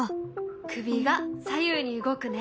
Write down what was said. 首が左右に動くね。